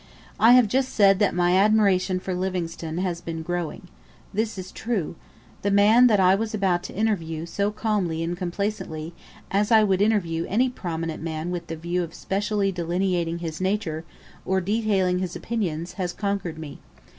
I have just said that my admiration for Livingstone has been growing. This is true. The man that I was about to interview so calmly and complacently, as I would interview any prominent man with the view of specially delineating his nature, or detailing his opinions, has conquered me.